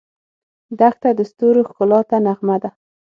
دښته د ستورو ښکلا ته نغمه ده.